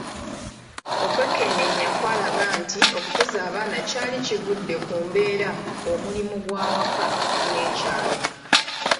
Okwekenneenya kwalaga nti okukuza abaana kyali kivudde ku kubeera omulimu gw’amaka n’ekyalo.